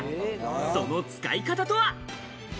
その使い方とは？